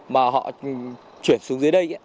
mà họ chuyển xuống dưới đây